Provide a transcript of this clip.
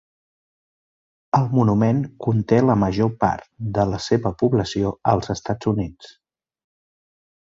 El monument conté la major part de la seva població als Estats Units.